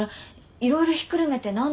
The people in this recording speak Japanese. いろいろひっくるめて何点？